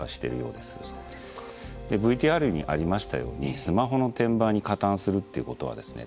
ＶＴＲにありましたようにスマホの転売に加担するってことはですね